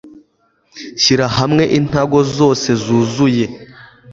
Shyira hamwe intango zosez uzuye